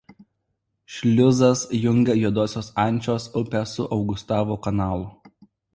Šliuzas jungia Juodosios Ančios upę su Augustavo kanalu.